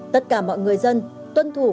tất cả mọi người dân tuân thủ